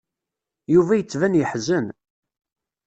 Yuba yettban yeḥzen.